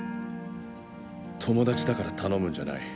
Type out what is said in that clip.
友達だから頼むんじゃない。